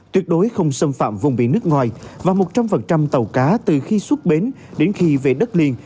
tuyệt đối không xâm phạm vùng biển nước ngoài và một trăm linh tàu cá từ khi xuất bến đến khi về đất liền